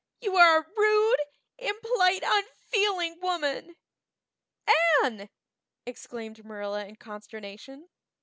You are a rude, impolite, unfeeling woman!" "Anne!" exclaimed Marilla in consternation.